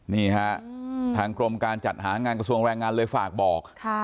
นี่ฮะทางกรมการจัดหางานกระทรวงแรงงานเลยฝากบอก